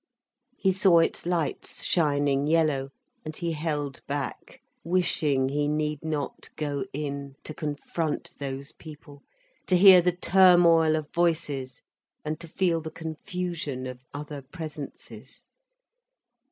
He saw its lights shining yellow, and he held back, wishing he need not go in, to confront those people, to hear the turmoil of voices and to feel the confusion of other presences.